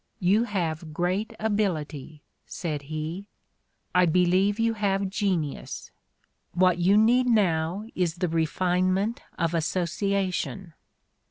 "You have great ability," said he; "I believe you have genius. What you need now is the refinement of association.